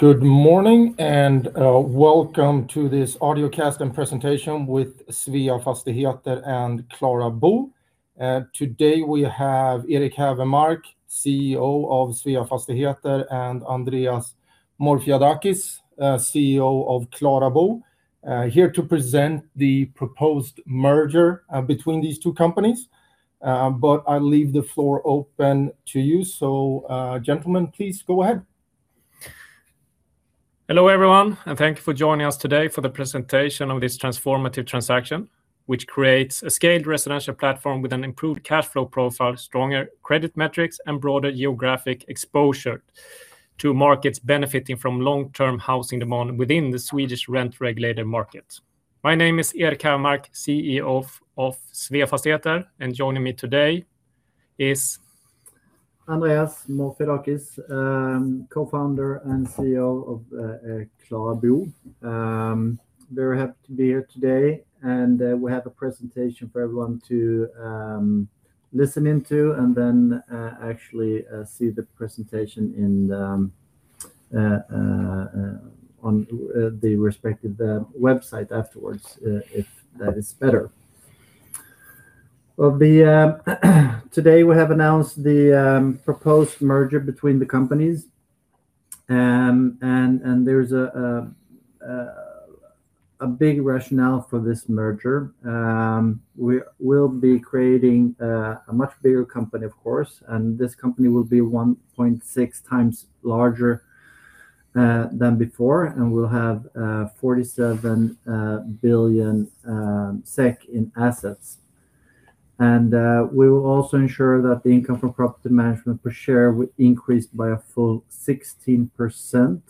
Good morning, and welcome to this audio cast and presentation with Sveafastigheter and KlaraBo. Today we have Erik Hävermark, CEO of Sveafastigheter, and Andreas Morfiadakis, CEO of KlaraBo, here to present the proposed merger between these two companies. I'll leave the floor open to you. Gentlemen, please go ahead. Hello, everyone, and thank you for joining us today for the presentation of this transformative transaction, which creates a scaled residential platform with an improved cash flow profile, stronger credit metrics, and broader geographic exposure to markets benefiting from long-term housing demand within the Swedish rent-regulated market. My name is Erik Hävermark, CEO of Sveafastigheter, and joining me today is- Andreas Morfiadakis, Co-Founder and CEO of KlaraBo. Very happy to be here today, and we have a presentation for everyone to listen into, and then actually see the presentation on the respective website afterwards, if that is better. Today we have announced the proposed merger between the companies. There's a big rationale for this merger. We will be creating a much bigger company, of course, and this company will be 1.6x larger than before, and we'll have 47 billion SEK in assets. We will also ensure that the income from property management per share will increase by a full 16%.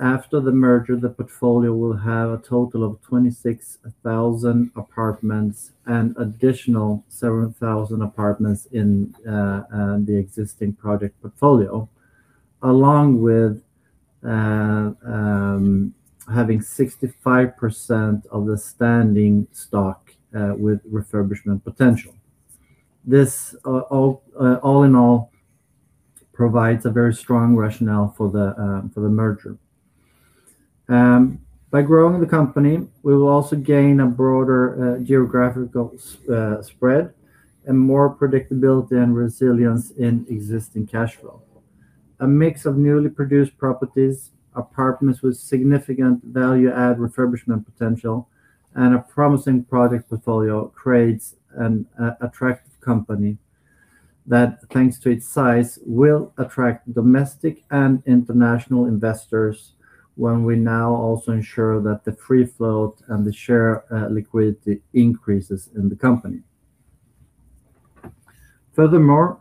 After the merger, the portfolio will have a total of 26,000 apartments and additional 7,000 apartments in the existing project portfolio, along with having 65% of the standing stock with refurbishment potential. This all in all provides a very strong rationale for the merger. By growing the company, we will also gain a broader geographical spread and more predictability and resilience in existing cash flow. A mix of newly produced properties, apartments with significant value add refurbishment potential, and a promising project portfolio creates an attractive company that, thanks to its size, will attract domestic and international investors when we now also ensure that the free float and the share liquidity increases in the company. There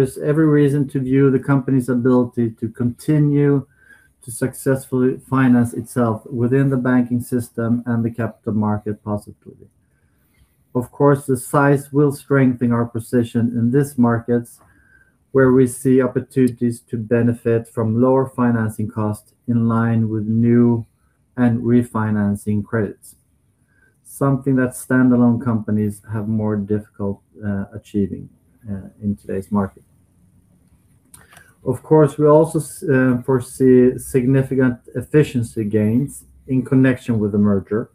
is every reason to view the company's ability to continue to successfully finance itself within the banking system and the capital market positively. The size will strengthen our position in these markets, where we see opportunities to benefit from lower financing costs in line with new and refinancing credits, something that standalone companies have more difficult achieving in today's market. We also foresee significant efficiency gains in connection with the merger.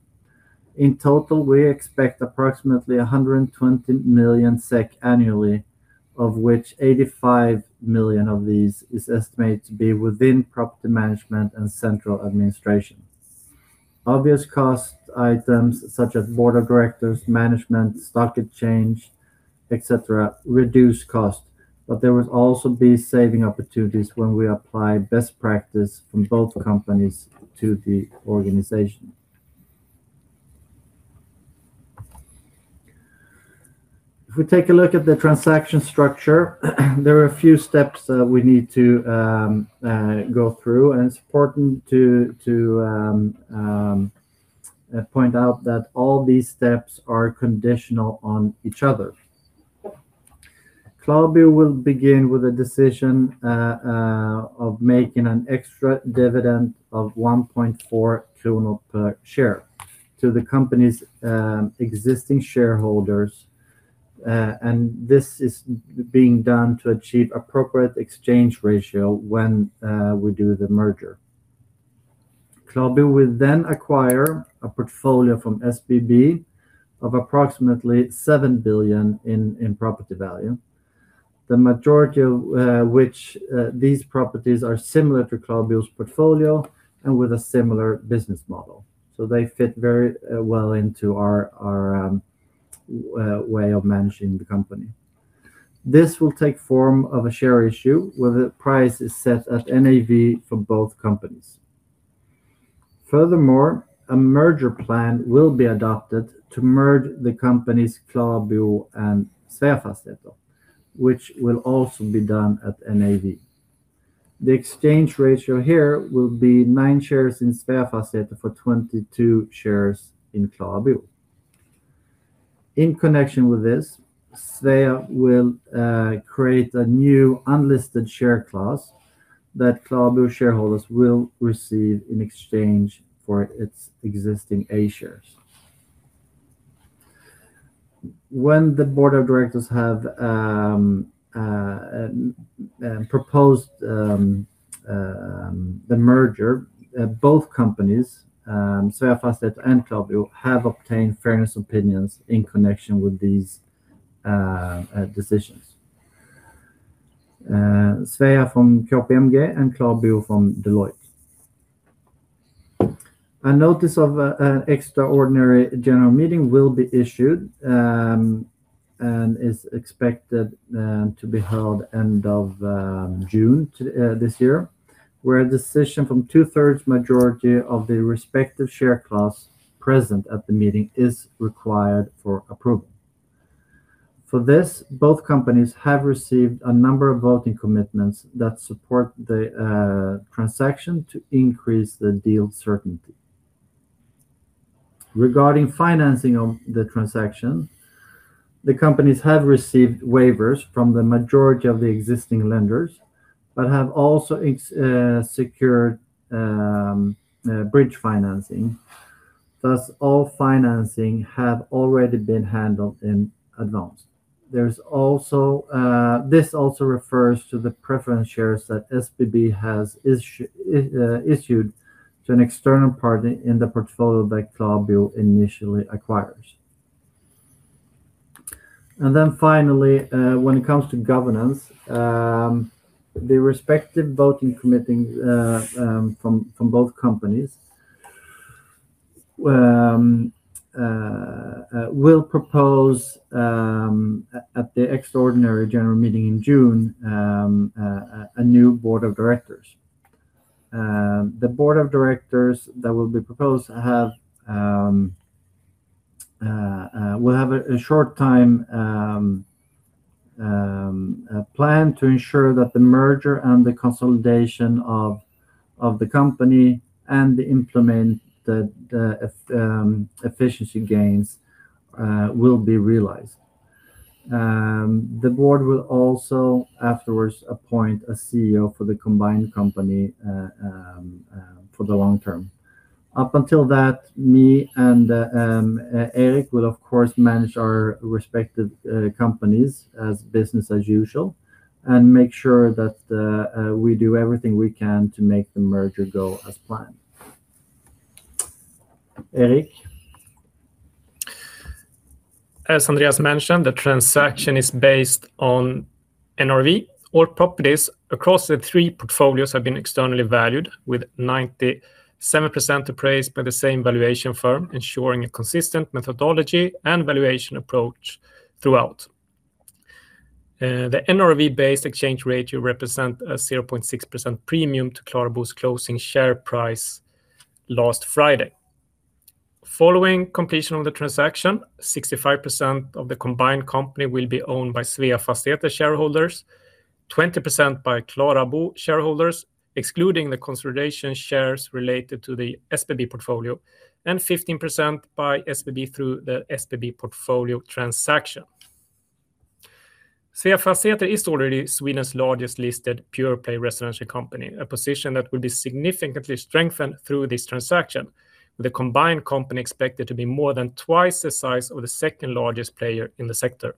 In total, we expect approximately 120 million SEK annually, of which 85 million of these is estimated to be within property management and central administration. Obvious cost items such as board of directors, management, stock exchange, et cetera, reduce cost. There will also be saving opportunities when we apply best practice from both companies to the organization. If we take a look at the transaction structure, there are a few steps that we need to go through, and it's important to point out that all these steps are conditional on each other. KlaraBo will begin with a decision of making an extra dividend of 1.4 billion kronor per share to the company's existing shareholders. This is being done to achieve appropriate exchange ratio when we do the merger. KlaraBo will acquire a portfolio from SBB of approximately 7 billion in property value. The majority of which these properties are similar to KlaraBo's portfolio and with a similar business model, they fit very well into our way of managing the company. This will take form of a share issue where the price is set at NAV for both companies. A merger plan will be adopted to merge the companies KlaraBo and Sveafastigheter, which will also be done at NAV. The exchange ratio here will be nine shares in Sveafastigheter for 22 shares in KlaraBo. In connection with this, Svea will create a new unlisted share class that KlaraBo shareholders will receive in exchange for its existing A shares. When the board of directors have proposed the merger, both companies, Sveafastigheter and KlaraBo, have obtained fairness opinions in connection with these decisions. Svea from KPMG and KlaraBo from Deloitte. A notice of an Extraordinary General Meeting will be issued and is expected to be held end of June this year, where a decision from 2/3 majority of the respective share class present at the meeting is required for approval. For this, both companies have received a number of voting commitments that support the transaction to increase the deal certainty. Regarding financing of the transaction, the companies have received waivers from the majority of the existing lenders but have also secured bridge financing. Thus, all financing have already been handled in advance. This also refers to the preference shares that SBB has issued to an external party in the portfolio that KlaraBo initially acquires. Then finally, when it comes to governance, the respective voting committee from both companies will propose at the Extraordinary General Meeting in June a new Board of Directors. The Board of Directors that will be proposed will have a short time plan to ensure that the merger and the consolidation of the company and implement the efficiency gains will be realized. The Board will also afterwards appoint a CEO for the combined company for the long term. Up until that, me and Erik will, of course, manage our respective companies as business as usual and make sure that we do everything we can to make the merger go as planned. Erik? As Andreas mentioned, the transaction is based on NRV. All properties across the three portfolios have been externally valued, with 97% appraised by the same valuation firm, ensuring a consistent methodology and valuation approach throughout. The NRV-based exchange ratio represent a 0.6% premium to KlaraBo's closing share price last Friday. Following completion of the transaction, 65% of the combined company will be owned by Sveafastigheter shareholders, 20% by KlaraBo shareholders, excluding the consolidation shares related to the SBB portfolio, and 15% by SBB through the SBB portfolio transaction. Sveafastigheter is already Sweden's largest listed pure-play residential company, a position that will be significantly strengthened through this transaction, with the combined company expected to be more than twice the size of the second-largest player in the sector.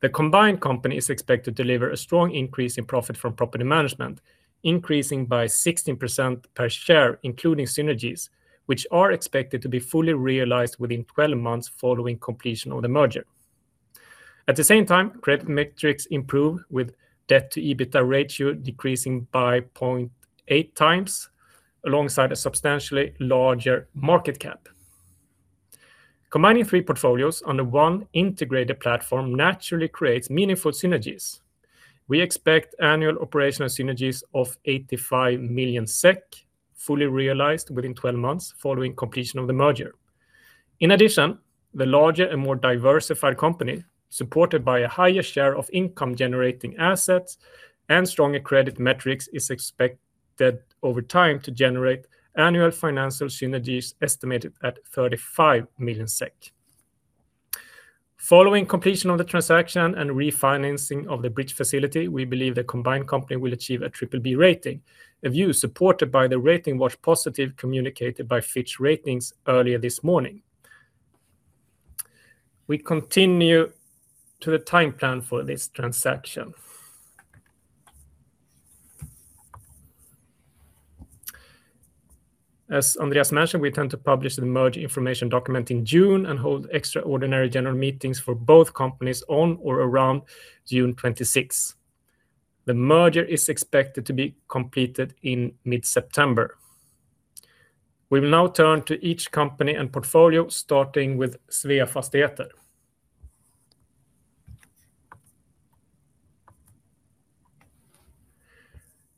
The combined company is expected to deliver a strong increase in profit from property management, increasing by 16% per share, including synergies, which are expected to be fully realized within 12 months following completion of the merger. At the same time, credit metrics improve, with debt-to-EBITDA ratio decreasing by 0.8x, alongside a substantially larger market cap. Combining three portfolios under one integrated platform naturally creates meaningful synergies. We expect annual operational synergies of 85 million SEK, fully realized within 12 months following completion of the merger. In addition, the larger and more diversified company, supported by a higher share of income-generating assets and stronger credit metrics, is expected over time to generate annual financial synergies estimated at 35 million SEK. Following completion of the transaction and refinancing of the bridge facility, we believe the combined company will achieve a BBB rating, a view supported by the rating watch positive communicated by Fitch Ratings earlier this morning. We continue to the time plan for this transaction. As Andreas mentioned, we intend to publish the merger information document in June and hold Extraordinary General Meetings for both companies on or around June 26. The merger is expected to be completed in mid-September. We will now turn to each company and portfolio, starting with Sveafastigheter.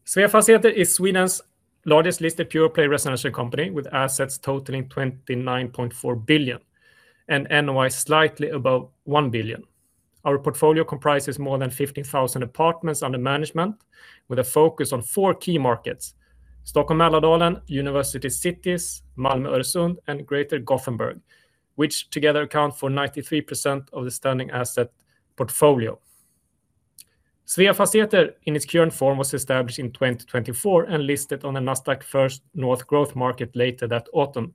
Sveafastigheter is Sweden's largest listed pure-play residential company, with assets totaling 29.4 billion, and NOI slightly above 1 billion. Our portfolio comprises more than 15,000 apartments under management, with a focus on four key markets: Stockholm Mälardalen, University Cities, Malmö Öresund, and Greater Gothenburg, which together account for 93% of the standing asset portfolio. Sveafastigheter in its current form was established in 2024 and listed on the Nasdaq First North Growth Market later that autumn.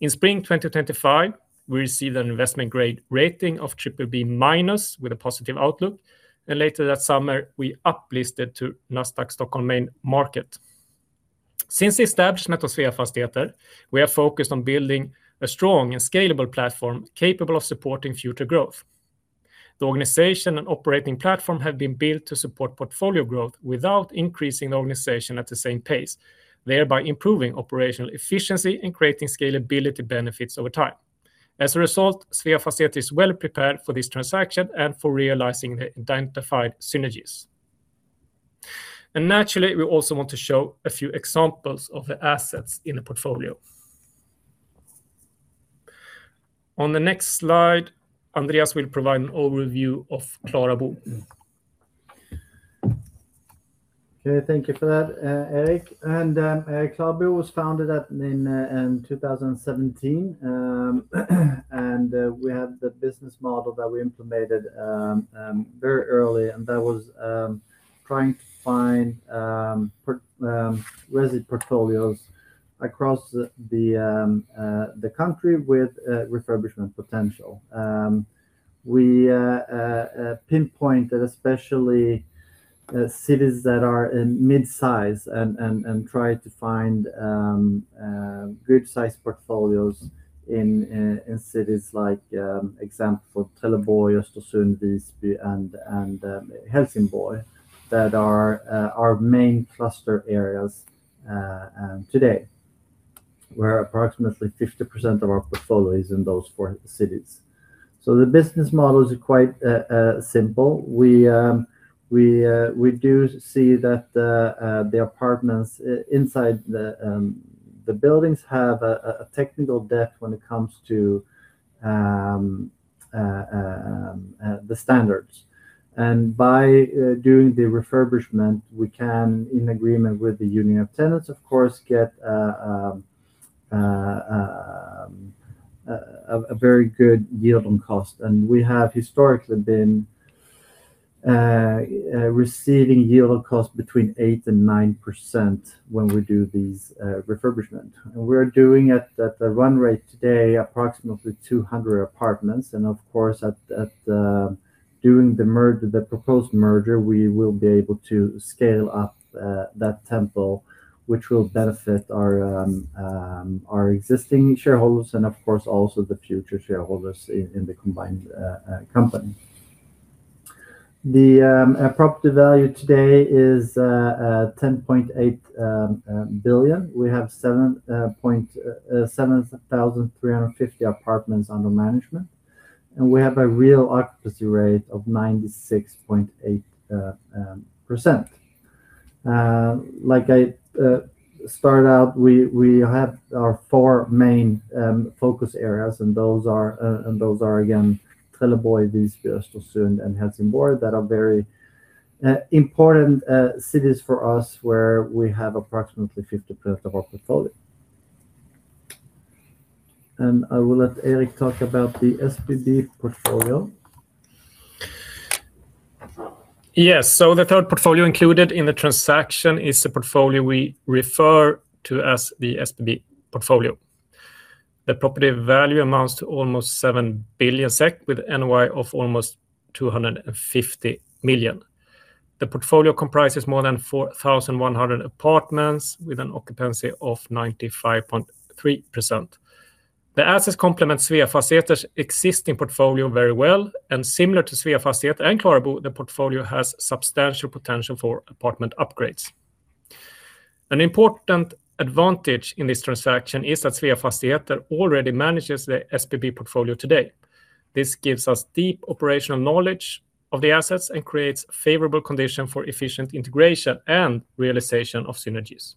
In spring 2025, we received an investment grade rating of BBB- with a positive outlook, and later that summer, we uplisted to Nasdaq Stockholm Main Market. Since the establishment of Sveafastigheter, we are focused on building a strong and scalable platform capable of supporting future growth. The organization and operating platform have been built to support portfolio growth without increasing the organization at the same pace, thereby improving operational efficiency and creating scalability benefits over time. As a result, Sveafastigheter is well prepared for this transaction and for realizing the identified synergies. Naturally, we also want to show a few examples of the assets in the portfolio. On the next slide, Andreas will provide an overview of KlaraBo. Okay, thank you for that, Erik. KlaraBo was founded in 2017. We have the business model that we implemented very early, and that was trying to find resi portfolios across the country with refurbishment potential. We pinpoint that especially cities that are in mid-size and try to find good size portfolios in cities like Trelleborg, Östersund, Visby, and Helsingborg that are our main cluster areas today, where approximately 50% of our portfolio is in those four cities. The business model is quite simple. We do see that the apartments inside the buildings have a technical debt when it comes to the standards. By doing the refurbishment, we can, in agreement with the union of tenants, of course, get a very good yield on cost. We have historically been receiving yield on cost between 8% and 9% when we do these refurbishment. We're doing it at a run rate today approximately 200 apartments. Of course, at doing the proposed merger, we will be able to scale up that tempo, which will benefit our existing shareholders and of course also the future shareholders in the combined company. The property value today is 10.8 billion. We have 7,350 apartments under management, and we have a real occupancy rate of 96.8%. Like I start out, we have our four main focus areas, and those are again, Trelleborg, Visby, Östersund, and Helsingborg that are very important cities for us where we have approximately 50% of our portfolio. I will let Erik talk about the SBB portfolio. Yes. The third portfolio included in the transaction is the portfolio we refer to as the SBB portfolio. The property value amounts to almost 7 billion SEK, with NOI of almost 250 million. The portfolio comprises more than 4,100 apartments with an occupancy of 95.3%. The assets complement Sveafastigheter's existing portfolio very well, and similar to Sveafastigheter and KlaraBo, the portfolio has substantial potential for apartment upgrades. An important advantage in this transaction is that Sveafastigheter already manages the SBB portfolio today. This gives us deep operational knowledge of the assets and creates favorable condition for efficient integration and realization of synergies.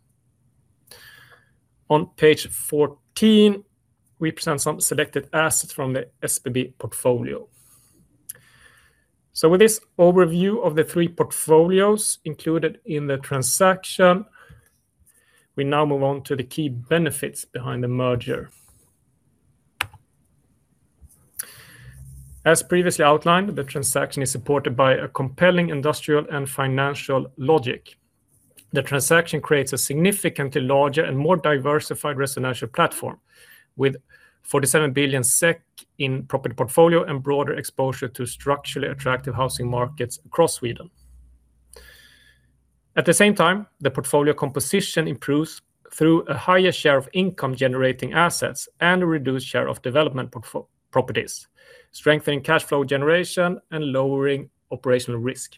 On page 14, we present some selected assets from the SBB portfolio. With this overview of the three portfolios included in the transaction, we now move on to the key benefits behind the merger. As previously outlined, the transaction is supported by a compelling industrial and financial logic. The transaction creates a significantly larger and more diversified residential platform with 47 billion SEK in property portfolio and broader exposure to structurally attractive housing markets across Sweden. At the same time, the portfolio composition improves through a higher share of income-generating assets and a reduced share of development properties, strengthening cash flow generation and lowering operational risk.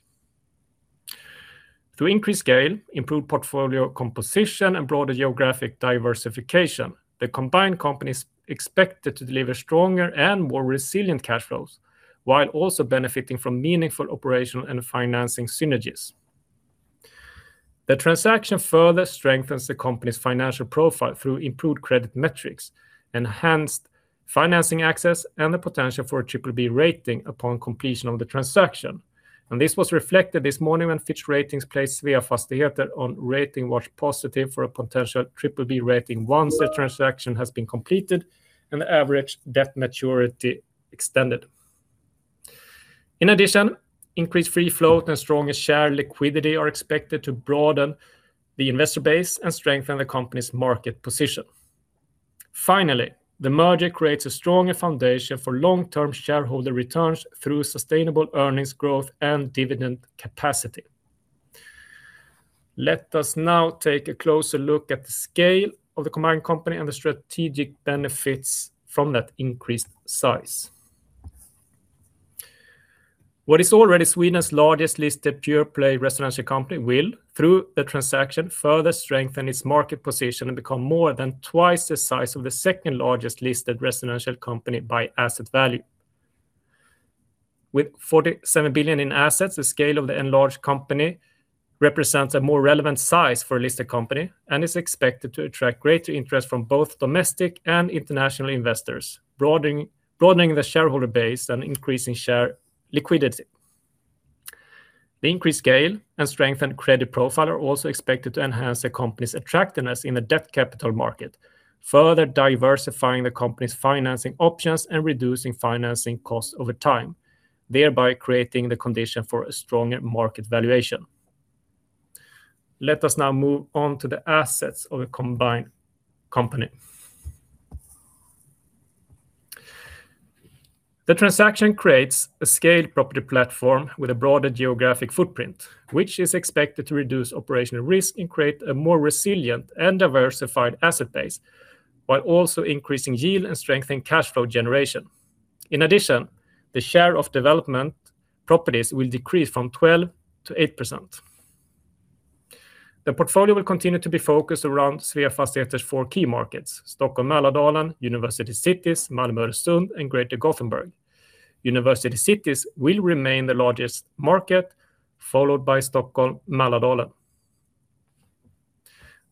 Through increased scale, improved portfolio composition, and broader geographic diversification, the combined company is expected to deliver stronger and more resilient cash flows while also benefiting from meaningful operational and financing synergies. The transaction further strengthens the company's financial profile through improved credit metrics, enhanced financing access, and the potential for a BBB rating upon completion of the transaction. This was reflected this morning when Fitch Ratings placed Sveafastigheter on rating watch positive for a potential BBB rating once the transaction has been completed and the average debt maturity extended. In addition, increased free float and stronger share liquidity are expected to broaden the investor base and strengthen the company's market position. Finally, the merger creates a stronger foundation for long-term shareholder returns through sustainable earnings growth and dividend capacity. Let us now take a closer look at the scale of the combined company and the strategic benefits from that increased size. What is already Sweden's largest listed pure-play residential company will, through the transaction, further strengthen its market position and become more than twice the size of the second largest listed residential company by asset value. With 47 billion in assets, the scale of the enlarged company represents a more relevant size for a listed company and is expected to attract greater interest from both domestic and international investors, broadening the shareholder base and increasing share liquidity. The increased scale and strength and credit profile are also expected to enhance the company's attractiveness in the debt capital market, further diversifying the company's financing options and reducing financing costs over time, thereby creating the condition for a stronger market valuation. Let us now move on to the assets of a combined company. The transaction creates a scaled property platform with a broader geographic footprint, which is expected to reduce operational risk and create a more resilient and diversified asset base, while also increasing yield and strengthening cash flow generation. In addition, the share of development properties will decrease from 12%-8%. The portfolio will continue to be focused around Sveafastigheter's four key markets: Stockholm Mälardalen, University Cities, Malmö Öresund, and Greater Gothenburg. University Cities will remain the largest market, followed by Stockholm Mälardalen.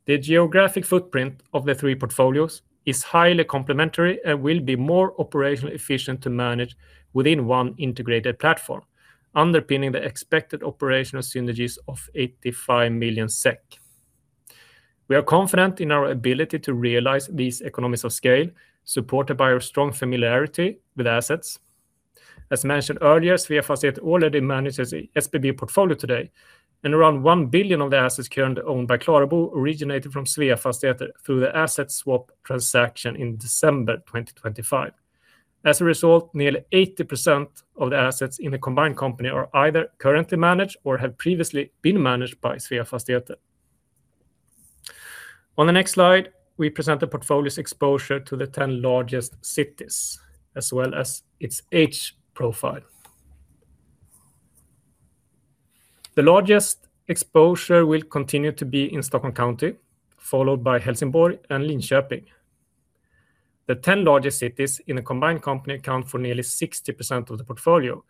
The geographic footprint of the three portfolios is highly complementary and will be more operationally efficient to manage within one integrated platform, underpinning the expected operational synergies of 85 million SEK. We are confident in our ability to realize these economies of scale, supported by our strong familiarity with assets. As mentioned earlier, Sveafastigheter already manages the SBB portfolio today, and around 1 billion of the assets currently owned by KlaraBo originated from Sveafastigheter through the asset swap transaction in December 2025. As a result, nearly 80% of the assets in the combined company are either currently managed or have previously been managed by Sveafastigheter. On the next slide, we present the portfolio's exposure to the 10 largest cities, as well as its age profile. The largest exposure will continue to be in Stockholm County, followed by Helsingborg and Linköping. The 10 largest cities in the combined company account for nearly 60% of the portfolio,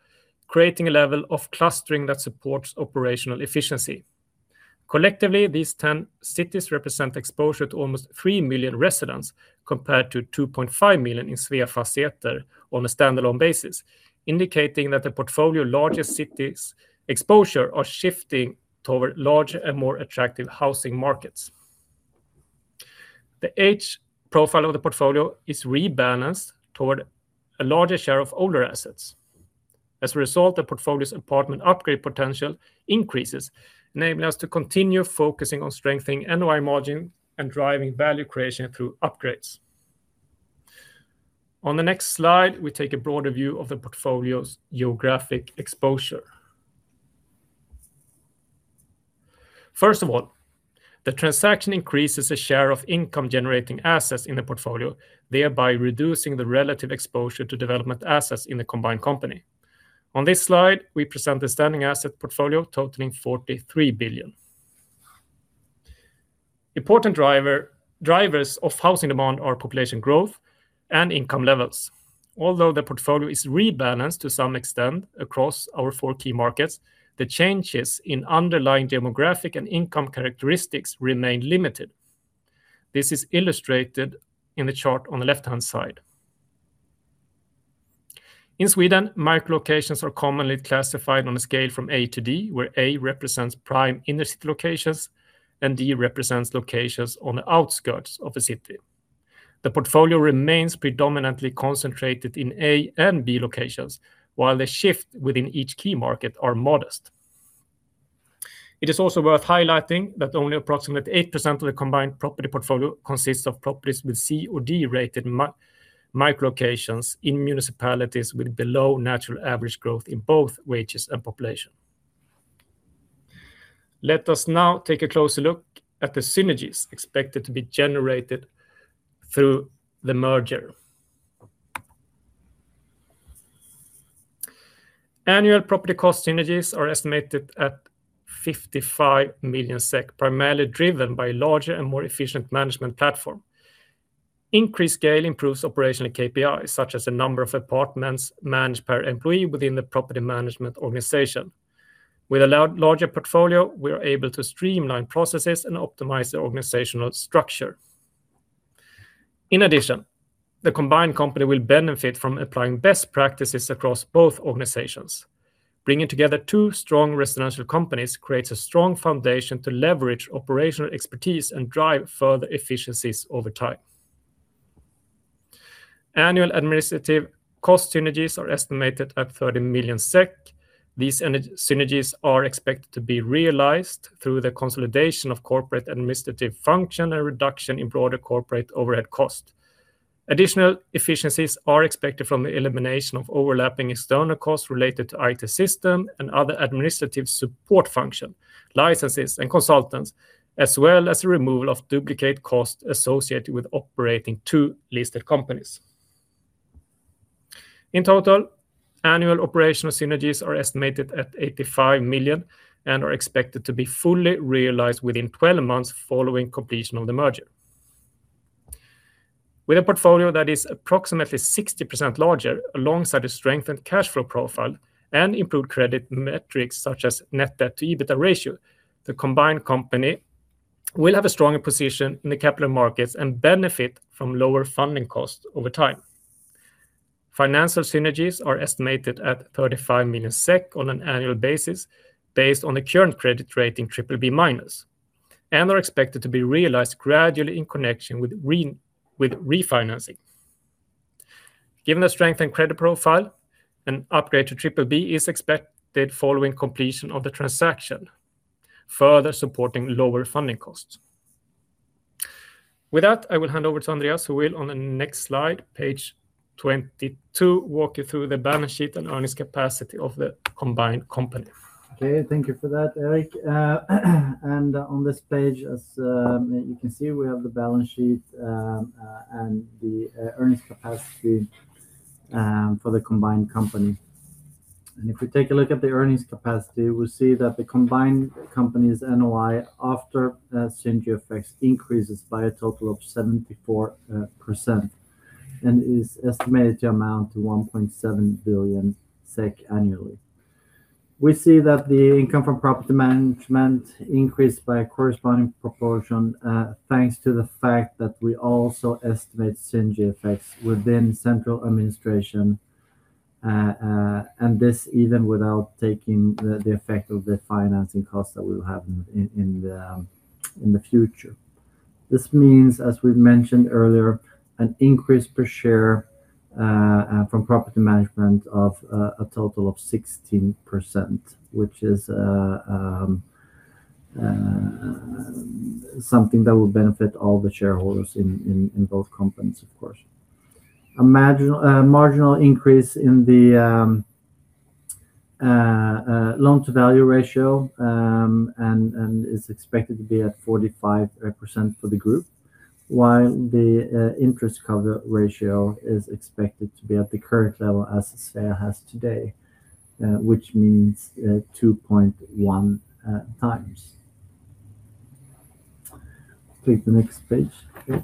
creating a level of clustering that supports operational efficiency. Collectively, these 10 cities represent exposure to almost 3 million residents, compared to 2.5 million in Sveafastigheter on a standalone basis, indicating that the portfolio largest cities exposure are shifting toward larger and more attractive housing markets. The age profile of the portfolio is rebalanced toward a larger share of older assets. As a result, the portfolio's apartment upgrade potential increases, enabling us to continue focusing on strengthening NOI margin and driving value creation through upgrades. On the next slide, we take a broader view of the portfolio's geographic exposure. First of all, the transaction increases the share of income-generating assets in the portfolio, thereby reducing the relative exposure to development assets in the combined company. On this slide, we present the standing asset portfolio totaling 43 billion. Important drivers of housing demand are population growth and income levels. Although the portfolio is rebalanced to some extent across our four key markets, the changes in underlying demographic and income characteristics remain limited. This is illustrated in the chart on the left-hand side. In Sweden, micro locations are commonly classified on a scale from A to D, where A represents prime inner city locations and D represents locations on the outskirts of a city. The portfolio remains predominantly concentrated in A and B locations, while the shift within each key market are modest. It is also worth highlighting that only approximately 8% of the combined property portfolio consists of properties with C or D-rated micro locations in municipalities with below natural average growth in both wages and population. Let us now take a closer look at the synergies expected to be generated through the merger. Annual property cost synergies are estimated at 55 million SEK, primarily driven by larger and more efficient management platform. Increased scale improves operational KPIs, such as the number of apartments managed per employee within the property management organization. With a larger portfolio, we are able to streamline processes and optimize the organizational structure. In addition, the combined company will benefit from applying best practices across both organizations. Bringing together two strong residential companies creates a strong foundation to leverage operational expertise and drive further efficiencies over time. Annual administrative cost synergies are estimated at 30 million SEK. These synergies are expected to be realized through the consolidation of corporate administrative function and reduction in broader corporate overhead cost. Additional efficiencies are expected from the elimination of overlapping external costs related to IT system and other administrative support function, licenses and consultants, as well as the removal of duplicate costs associated with operating two listed companies. In total, annual operational synergies are estimated at 85 million and are expected to be fully realized within 12 months following completion of the merger. With a portfolio that is approximately 60% larger alongside a strengthened cash flow profile and improved credit metrics such as net debt to EBITDA ratio, the combined company will have a stronger position in the capital markets and benefit from lower funding costs over time. Financial synergies are estimated at 35 million SEK on an annual basis based on the current credit rating BBB-, and are expected to be realized gradually in connection with refinancing. Given the strength and credit profile, an upgrade to BBB is expected following completion of the transaction, further supporting lower funding costs. With that, I will hand over to Andreas who will, on the next slide, page 22, walk you through the balance sheet and earnings capacity of the combined company. Okay, thank you for that, Erik. On this page, as you can see, we have the balance sheet and the earnings capacity for the combined company. If we take a look at the earnings capacity, we see that the combined company's NOI after synergy effects increases by a total of 74% and is estimated to amount to 1.7 billion SEK annually. We see that the income from property management increased by a corresponding proportion, thanks to the fact that we also estimate synergy effects within central administration, and this even without taking the effect of the financing costs that we will have in the future. This means, as we've mentioned earlier, an increase per share from property management of a total of 16%, which is something that will benefit all the shareholders in both companies, of course. A marginal increase in the loan-to-value ratio and is expected to be at 45% for the group, while the interest cover ratio is expected to be at the current level as Svea has today, which means 2.1x. Click the next page. Okay.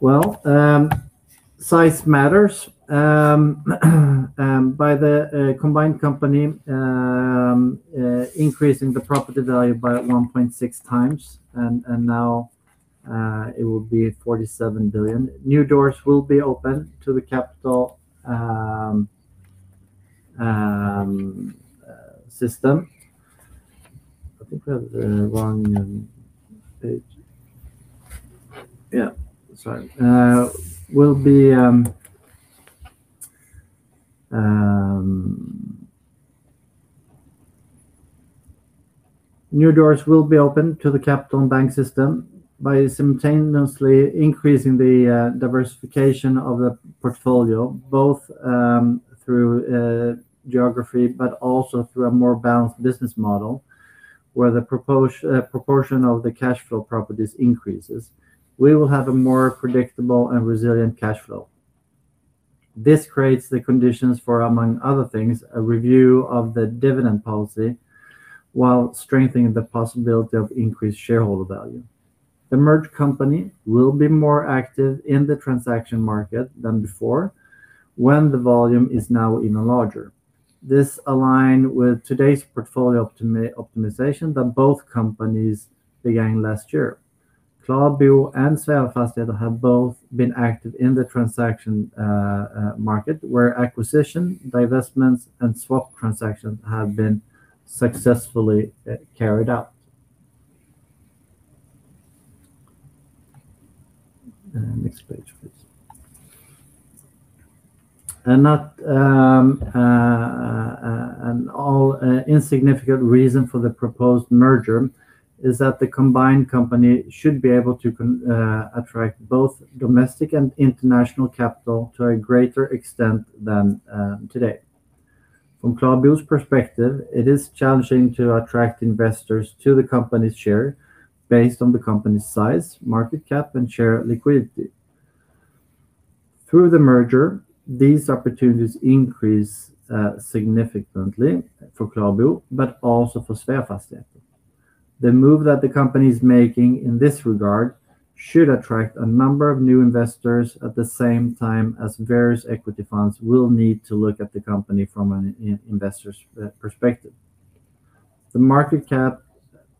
Well, size matters. By the combined company increasing the property value by 1.6x and now it will be at 47 billion. New doors will be open to the capital system. I think we have the wrong page. Yeah. Sorry. New doors will be open to the capital and bank system by simultaneously increasing the diversification of the portfolio, both through geography, but also through a more balanced business model, where the proportion of the cash flow properties increases. We will have a more predictable and resilient cash flow. This creates the conditions for, among other things, a review of the dividend policy while strengthening the possibility of increased shareholder value. The merged company will be more active in the transaction market than before when the volume is now even larger. This align with today's portfolio optimization that both companies began last year. KlaraBo and Sveafastigheter have both been active in the transaction market where acquisition, divestments, and swap transactions have been successfully carried out. Next page, please. Not an all insignificant reason for the proposed merger is that the combined company should be able to attract both domestic and international capital to a greater extent than today. From KlaraBo's perspective, it is challenging to attract investors to the company's share based on the company's size, market cap, and share liquidity. Through the merger, these opportunities increase significantly for KlaraBo, but also for Sveafastigheter. The move that the company is making in this regard should attract a number of new investors at the same time as various equity funds will need to look at the company from an investor's perspective. The market cap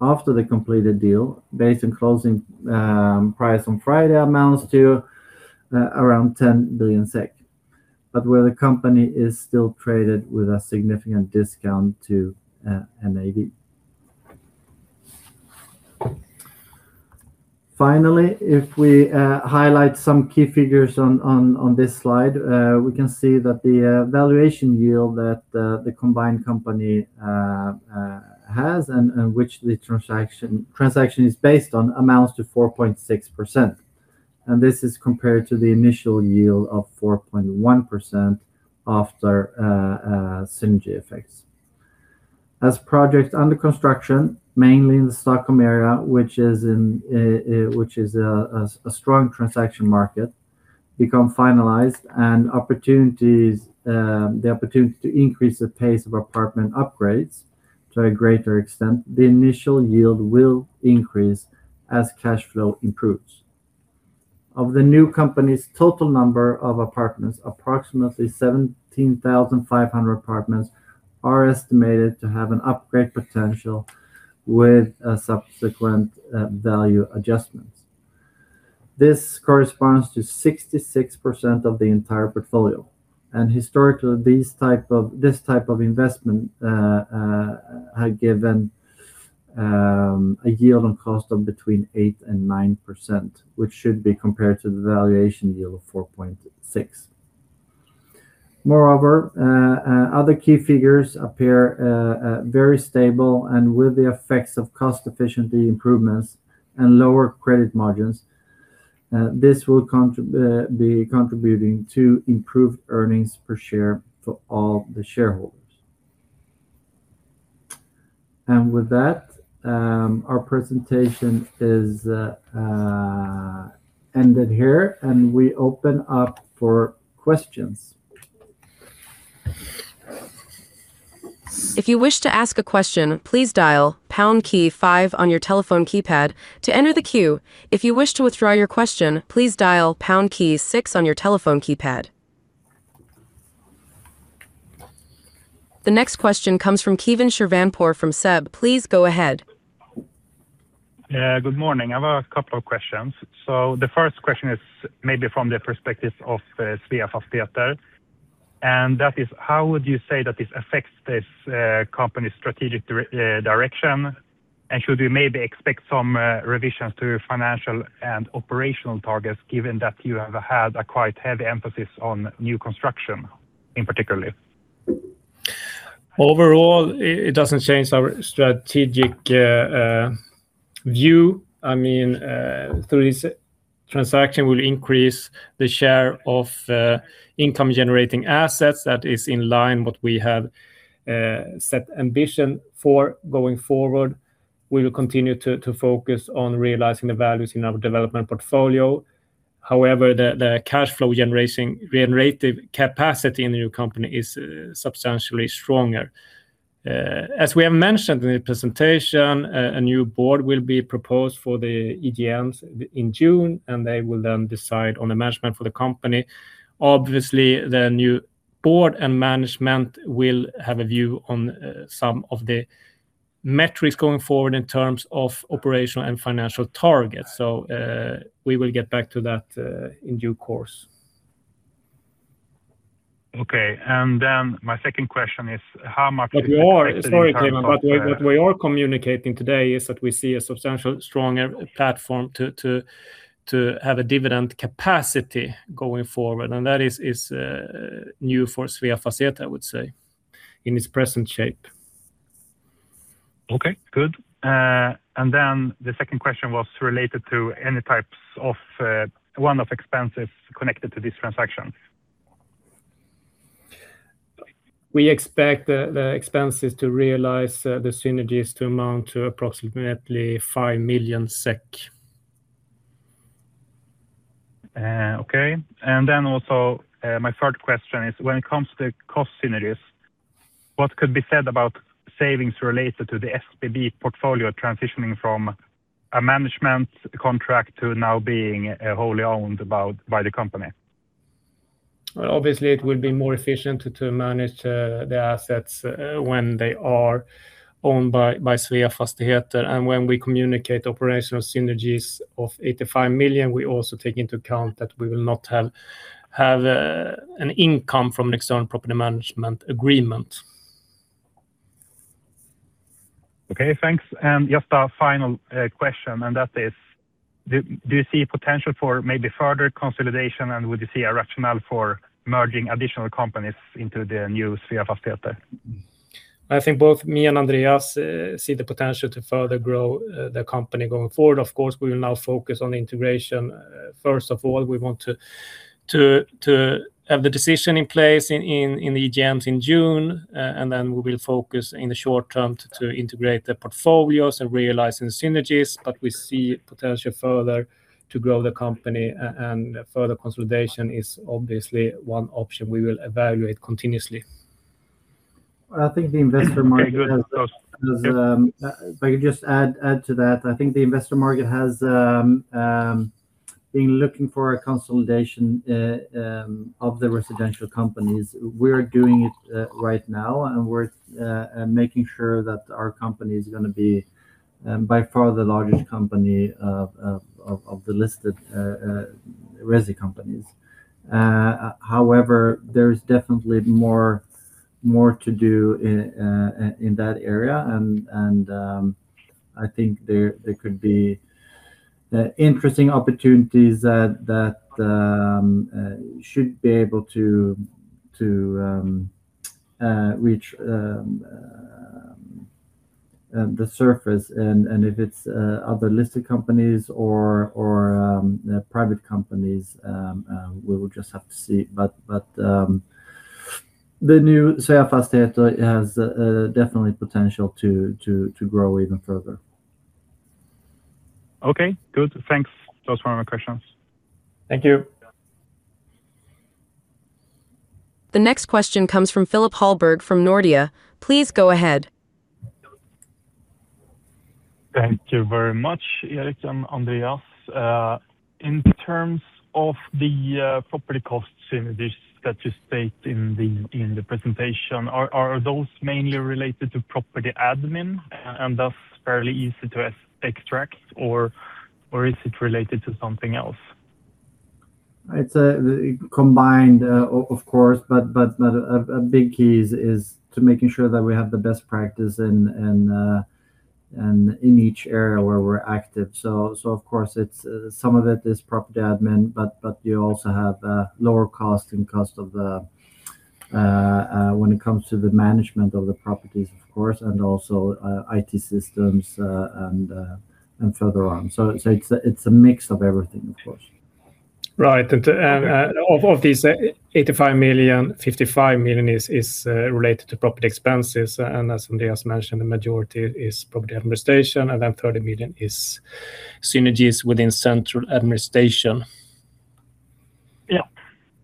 after the completed deal, based on closing price on Friday, amounts to around 10 billion SEK, where the company is still traded with a significant discount to NAV. If we highlight some key figures on this slide, we can see that the valuation yield that the combined company has and in which the transaction is based on amounts to 4.6%. This is compared to the initial yield of 4.1% after synergy effects. As projects under construction, mainly in the Stockholm area, which is a strong transaction market, become finalized and opportunities, the opportunity to increase the pace of apartment upgrades to a greater extent, the initial yield will increase as cash flow improves. Of the new company's total number of apartments, approximately 17,500 apartments are estimated to have an upgrade potential with subsequent value adjustments. This corresponds to 66% of the entire portfolio. Historically this type of investment have given a yield on cost of between 8% and 9%, which should be compared to the valuation yield of 4.6%. Moreover, other key figures appear very stable, and with the effects of cost efficiency improvements and lower credit margins, this will be contributing to improved earnings per share for all the shareholders. With that, our presentation is ended here, and we open up for questions. If you wish to ask a question, please dial pound key five on your telephone keypad. To end the queue if you wish to withdraw your question, please dial pound key six on your telephone keypad. The next question comes from Keivan Shirvanpour from SEB. Please go ahead. Good morning. I've a couple of questions. The first question is maybe from the perspective of Sveafastigheter, and that is: How would you say that this affects this company's strategic direction? Should we maybe expect some revisions to financial and operational targets, given that you have had a quite heavy emphasis on new construction in particular? Overall, it doesn't change our strategic view. I mean, through this transaction will increase the share of income-generating assets that is in line what we have set ambition for going forward. We will continue to focus on realizing the values in our development portfolio. However, the cash flow generative capacity in the new company is substantially stronger. As we have mentioned in the presentation, a new board will be proposed for the EGMs in June, they will then decide on the management for the company. Obviously, the new board and management will have a view on some of the metrics going forward in terms of operational and financial targets. We will get back to that in due course. Okay. My second question is. Sorry, Keivan, what we are communicating today is that we see a substantial stronger platform to have a dividend capacity going forward. That is new for Sveafastigheter, I would say, in its present shape. Okay, good. The second question was related to any types of one-off expenses connected to this transaction. We expect the expenses to realize the synergies to amount to approximately 5 million SEK. Okay. My third question is when it comes to cost synergies, what could be said about savings related to the SBB portfolio transitioning from a management contract to now being wholly owned by the company? Well, obviously, it will be more efficient to manage the assets when they are owned by Sveafastigheter. When we communicate operational synergies of 85 million, we also take into account that we will not have an income from an external property management agreement. Okay, thanks. Just a final question, and that is: Do you see potential for maybe further consolidation, and would you see a rationale for merging additional companies into the new Sveafastigheter? I think both me and Andreas see the potential to further grow the company going forward. We will now focus on integration. First of all, we want to have the decision in place in the EGMs in June, and then we will focus in the short term to integrate the portfolios and realizing synergies. We see potential further to grow the company and further consolidation is obviously one option we will evaluate continuously. I think the investor market has. Very good. Thanks. If I could just add to that, I think the investor market has been looking for a consolidation of the residential companies. We're doing it right now, and we're making sure that our company is gonna be by far the largest company of the listed resi companies. However, there is definitely more to do in that area. I think there could be interesting opportunities that should be able to reach the surface. If it's other listed companies or private companies, we will just have to see. The new Sveafastigheter has definitely potential to grow even further. Okay. Good. Thanks. Those were my questions. Thank you. The next question comes from Philip Hallberg from Nordea. Please go ahead. Thank you very much, Erik and Andreas. In terms of the property costs synergies that you state in the presentation, are those mainly related to property admin and thus fairly easy to extract, or is it related to something else? It's a combined, of course, but a big key is to making sure that we have the best practice in each area where we're active. Of course it's some of it is property admin, but you also have lower cost and cost of the when it comes to the management of the properties, of course, and also IT systems and further on. It's a mix of everything, of course. Right. Of these 85 million, 55 million is related to property expenses, and as Andreas mentioned, the majority is property administration, and then 30 million is synergies within central administration.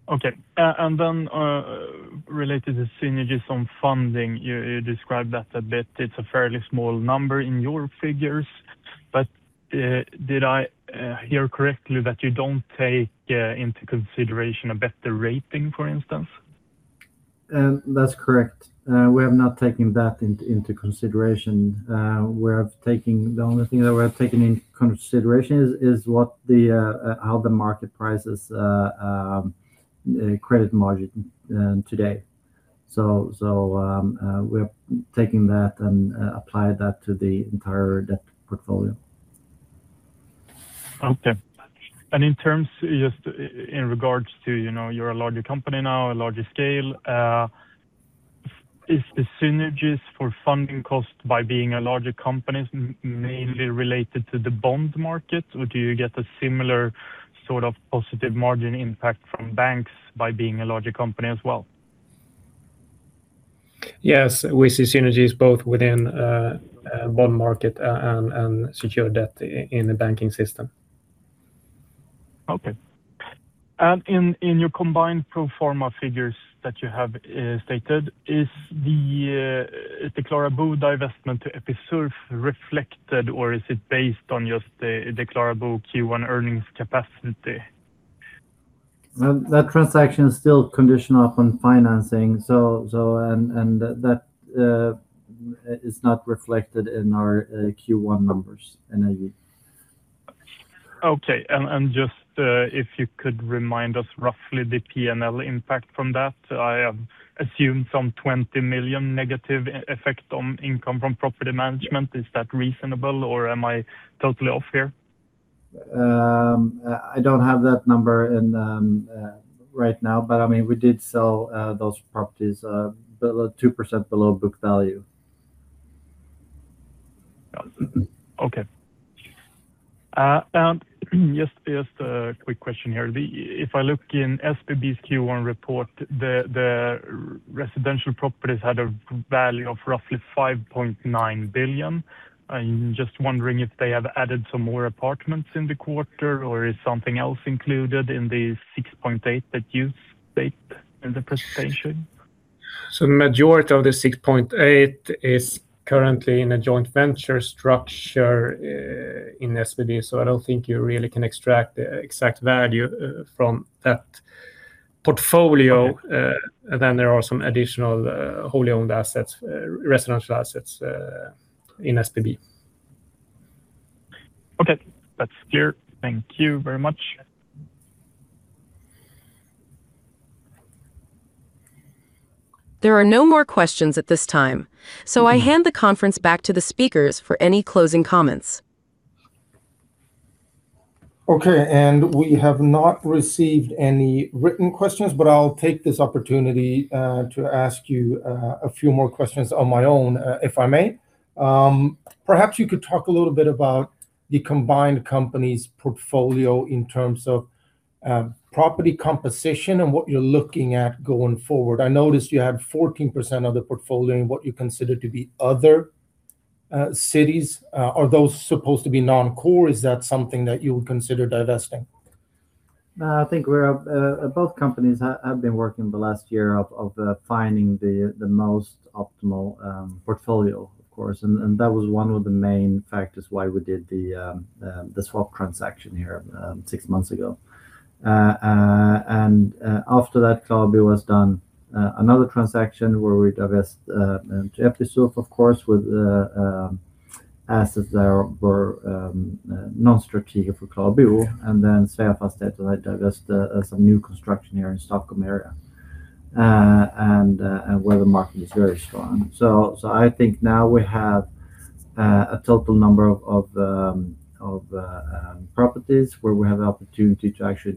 Yeah. Okay. Related to synergies on funding, you described that a bit. It's a fairly small number in your figures, did I hear correctly that you don't take into consideration a better rating, for instance? That's correct. We have not taken that into consideration. The only thing that we're taking into consideration is what the how the market prices credit margin today. We're taking that and apply that to the entire debt portfolio. Okay. In terms just in regards to, you know, you're a larger company now, a larger scale, is the synergies for funding cost by being a larger company mainly related to the bond market, or do you get a similar sort of positive margin impact from banks by being a larger company as well? Yes. We see synergies both within the bond market and secured debt in the banking system. Okay. In your combined pro forma figures that you have stated, is the KlaraBo divestment to Episurf reflected or is it based on just the KlaraBo Q1 earnings capacity? Well, that transaction is still conditional upon financing, so, and that is not reflected in our Q1 numbers NAV. Okay. Just, if you could remind us roughly the P&L impact from that. I assume some 20 million negative effect on income from property management. Is that reasonable or am I totally off here? I don't have that number in right now, but I mean, we did sell those properties below, 2% below book value. Okay. Just a quick question here. If I look in SBB's Q1 report, the residential properties had a value of roughly 5.9 billion. I'm just wondering if they have added some more apartments in the quarter, or is something else included in the 6.8 billion that you state in the presentation? The majority of the 6.8 billion is currently in a joint venture structure, in SBB. I don't think you really can extract the exact value from that portfolio. There are some additional, wholly owned assets, residential assets, in SBB. Okay. That's clear. Thank you very much. There are no more questions at this time. I hand the conference back to the speakers for any closing comments. Okay. We have not received any written questions, but I'll take this opportunity to ask you a few more questions on my own, if I may. Perhaps you could talk a little bit about the combined company's portfolio in terms of property composition and what you're looking at going forward. I noticed you have 14% of the portfolio in what you consider to be other cities. Are those supposed to be non-core? Is that something that you would consider divesting? I think we're both companies have been working the last year of finding the most optimal portfolio, of course. That was one of the main factors why we did the swap transaction here six months ago. After that KlaraBo was done another transaction where we divest into Episurf, of course, with the assets there were non-strategic for KlaraBo, and then Sveafastigheter divest some new construction here in Stockholm area, where the market is very strong. I think now we have a total number of properties where we have the opportunity to actually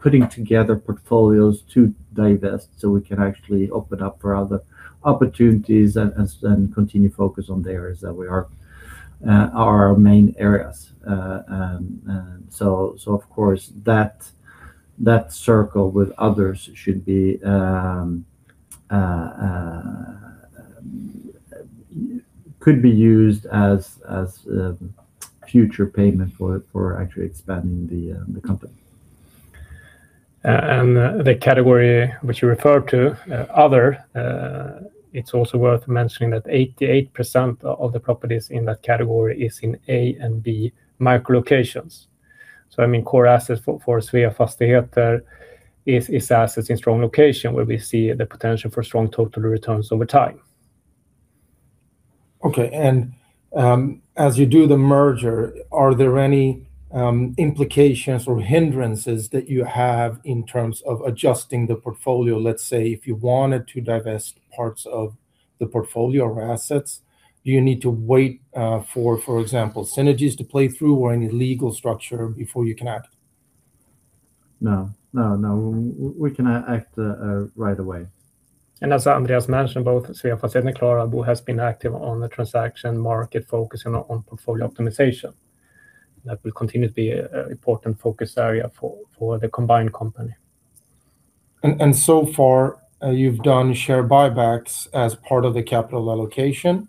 Putting together portfolios to divest, so we can actually open up for other opportunities and continue focus on the areas that we are our main areas. Of course, that circle with others should be could be used as future payment for actually expanding the company. The category which you referred to, other, it's also worth mentioning that 88% of the properties in that category is in A and B micro locations. I mean, core asset for Sveafastigheter is assets in strong location where we see the potential for strong total returns over time. Okay. As you do the merger, are there any implications or hindrances that you have in terms of adjusting the portfolio? Let's say if you wanted to divest parts of the portfolio or assets, do you need to wait, for example, synergies to play through or any legal structure before you can act? No. No, no. We can act right away. As Andreas mentioned, both Sveafastigheter and KlaraBo has been active on the transaction market focusing on portfolio optimization. That will continue to be a important focus area for the combined company. So far, you've done share buybacks as part of the capital allocation.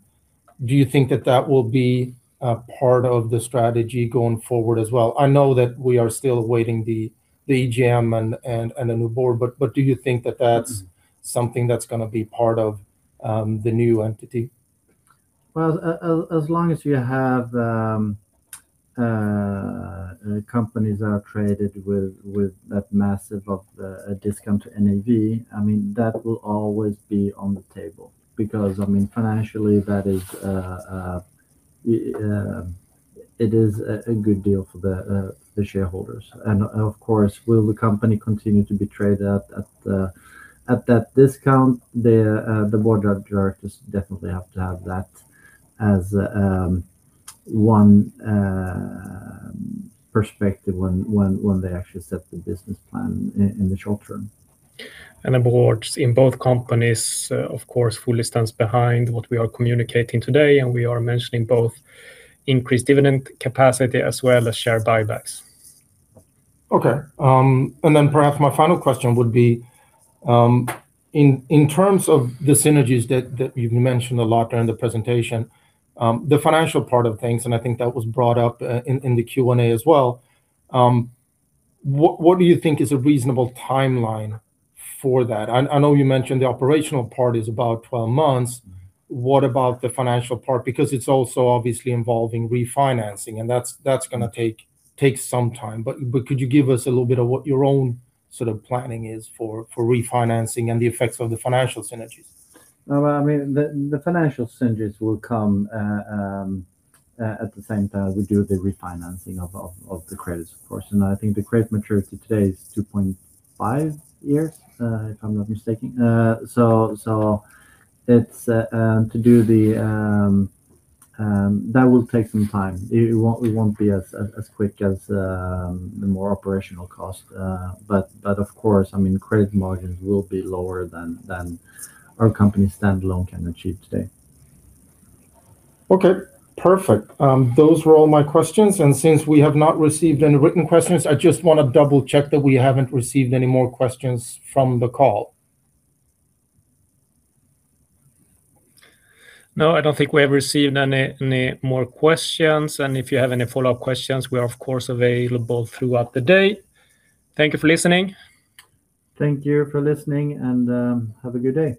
Do you think that that will be a part of the strategy going forward as well? I know that we are still awaiting the AGM and a new board, but do you think that that's something that's gonna be part of the new entity? Well, as long as you have companies are traded with that massive of a discount to NAV, I mean, that will always be on the table because, I mean, financially, that is it is a good deal for the shareholders. Of course, will the company continue to be traded at that discount? The board of directors definitely have to have that as one perspective when they actually set the business plan in the short term. The boards in both companies, of course, fully stand behind what we are communicating today, and we are mentioning both increased dividend capacity as well as share buybacks. Okay. Then perhaps my final question would be, in terms of the synergies that you've mentioned a lot during the presentation, the financial part of things, and I think that was brought up in the Q&A as well, what do you think is a reasonable timeline for that? I know you mentioned the operational part is about 12 months. What about the financial part? Because it's also obviously involving refinancing, and that's gonna take some time. Could you give us a little bit of what your own sort of planning is for refinancing and the effects of the financial synergies? No, I mean, the financial synergies will come at the same time as we do the refinancing of the credits, of course. I think the credit maturity today is 2.5 years, if I'm not mistaken. So that will take some time. It won't be as quick as the more operational cost. Of course, I mean, credit margins will be lower than our company standalone can achieve today. Okay. Perfect. Those were all my questions. Since we have not received any written questions, I just want to double-check that we haven't received any more questions from the call. No, I don't think we have received any more questions. If you have any follow-up questions, we are of course available throughout the day. Thank you for listening. Thank you for listening and have a good day.